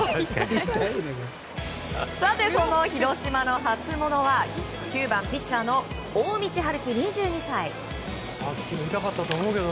その広島の初モノは９番ピッチャーの大道温貴、２２歳。